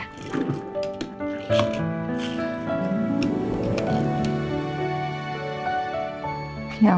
oh enggak mau main ini aja